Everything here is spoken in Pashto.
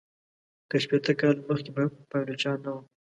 که شپیته کاله مخکي پایلوچان نه وه.